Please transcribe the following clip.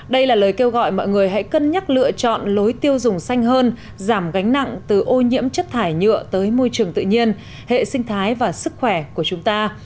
đây là lời kêu gọi mọi người hãy cân nhắc lựa chọn lối tiêu dùng xanh hơn giảm gánh nặng từ ô nhiễm chất thải nhựa tới môi trường tự nhiên hệ sinh thái và sức khỏe của chúng ta